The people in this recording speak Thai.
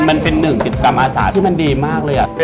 มันเป็นหนึ่งกิจกรรมอาสาที่มันดีมากเลย